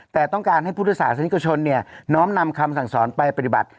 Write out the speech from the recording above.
แต่ต้องการให้พุทธศาสนิกชนน้อมนำคำสั่งสอนไปปฏิบัติ